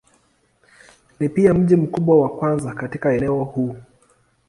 Ni pia mji mkubwa wa kwanza katika eneo huu.